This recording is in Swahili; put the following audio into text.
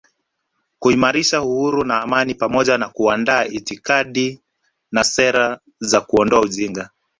kuimarisha uhuru na amani pamoja na kuandaa itikadi na sera za kuondoa ujinga